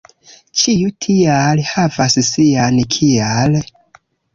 Ĉiu "tial" havas sian "kial".